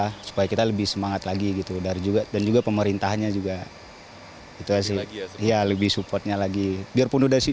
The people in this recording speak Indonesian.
menempatkan pengalaman berharga yang berharga